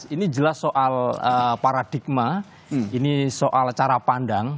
ini jelas soal paradigma ini soal cara pandang